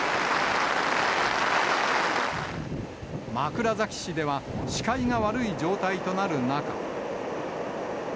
枕崎市では、視界が悪い状態となる中。